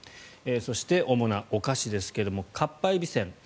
そして、主なお菓子ですがかっぱえびせん。